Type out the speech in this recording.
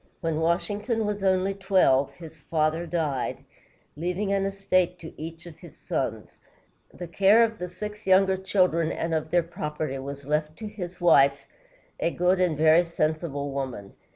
When Washington was only twelve, his father died, leaving an estate to each of his sons. The care of the six younger children and of their property was left to his wife, a good and very sensible woman.